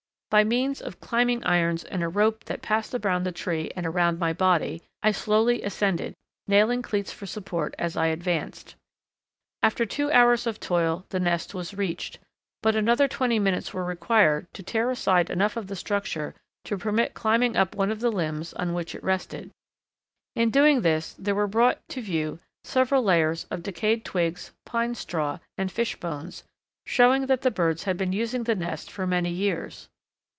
By means of climbing irons and a rope that passed around the tree and around my body, I slowly ascended, nailing cleats for support as I advanced. After two hours of toil the nest was reached, but another twenty minutes were required to tear aside enough of the structure to permit climbing up one of the limbs on which it rested. In doing this there were brought to view several layers of decayed twigs, pine straw, and fish bones, showing that the birds had been using the nest for many years.